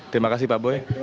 terima kasih pak boy